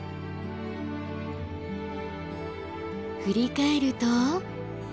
振り返ると。